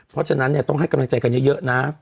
เพราะฉะนั้นต้องให้กำลังใจให้มาเยอะนะ